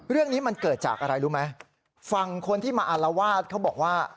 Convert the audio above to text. เรื่องนี้มันเกิดจากอะไรรู้ไหมฝั่งคนที่มาอารวาสเขาบอกว่า